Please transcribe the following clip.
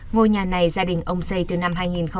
ngôi nhà này gia đình ông xây từ năm hai nghìn một mươi